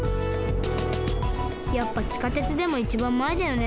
やっぱ地下鉄でもいちばんまえだよね。